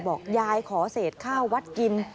บอกยายขอเศษข้าววัดกิน